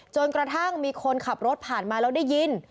จนกระทั่งมีคนขับรถผ่านมาแล้วได้ยิน